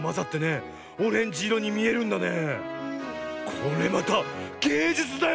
これまたげいじゅつだよ